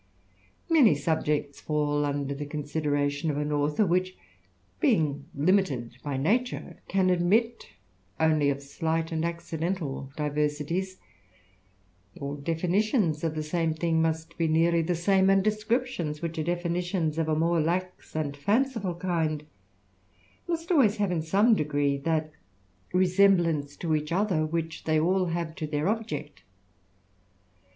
Many subjects fall under the consideration of an author, ^^ich, being limited by nature, can admit only of slight and accidental diversities. All definitions of the same thing ''^^st be nearly the same; and descriptions, which are "^finitions of a more lax and fanciful kind, must always ^^e in some degree that resemblance to each other which ^^y all have to their object.